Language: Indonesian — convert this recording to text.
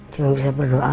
cuma bisa berdoa